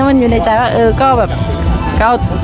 มันอยู่ในใจว่า